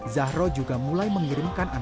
zahra juga mulai mengirimkan anggaran